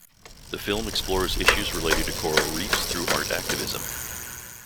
The film explores issues related to coral reefs through art activism.